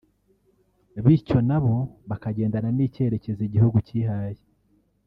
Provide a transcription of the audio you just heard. bityo na bo bakagendana n’icyerekezo igihugu cyihaye